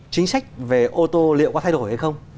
chính sách về ô tô liệu có thay đổi hay không